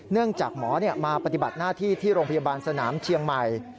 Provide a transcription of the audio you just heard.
เนื่องจากหมอมาปฏิบัติหน้าที่ที่โรงพยาบาลสนามเชียงใหม่